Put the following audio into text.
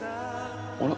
あれ？